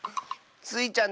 スイちゃん